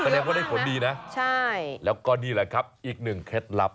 เยอะมากนะใช่แล้วก็นี่แหละครับอีกหนึ่งเคล็ดลับ